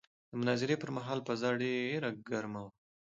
د مناظرې پر مهال فضا ډېره ګرمه وه.